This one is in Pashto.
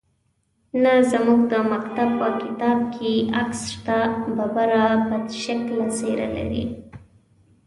_نه، زموږ د مکتب په کتاب کې يې عکس شته. ببره، بدشکله څېره لري.